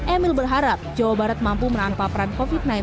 emil berharap jawa barat mampu menahan paparan covid sembilan belas